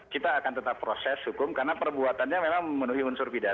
kita akan tetap proses hukum karena perbuatannya memang memenuhi unsur pidana